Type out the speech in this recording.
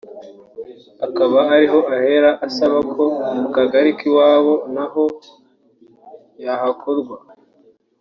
Akaba ariho ahera asaba ko mu kagari k’iwabo naho yahakorwa